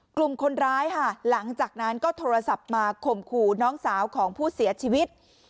กลุ่มคนร้ายค่ะหลังจากนั้นก็โทรศัพท์มาข่มขู่น้องสาวของผู้เสียชีวิต